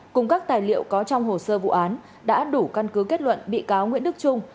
cùng các tài liệu có trong hồ sơ vụ án đã đủ căn cứ kết luận bị cáo nguyễn đức trung